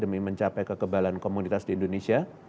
demi mencapai kekebalan komunitas di indonesia